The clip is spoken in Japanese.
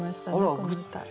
この歌。